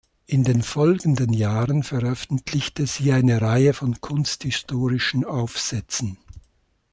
In den folgenden Jahren veröffentlichte sie eine Reihe von kunsthistorischen Aufsätzen.